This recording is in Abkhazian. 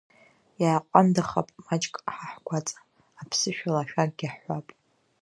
Иааҟәандахап маҷк ҳа ҳгәаҵа, аԥсышәала ашәакгьы ҳҳәап.